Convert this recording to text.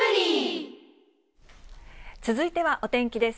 続いてはお天気です。